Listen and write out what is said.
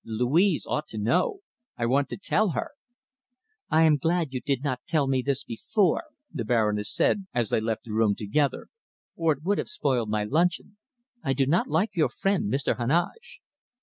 Louise ought to know. I want to tell her!" "I am glad you did not tell me this before," the Baroness said, as they left the room together, "or it would have spoiled my luncheon. I do not like your friend, Mr. Heneage!"